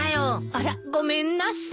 あらごめんなさい。